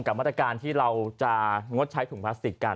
มาตรการที่เราจะงดใช้ถุงพลาสติกกัน